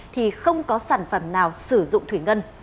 thì không có sản phẩm nào sử dụng thủy ngân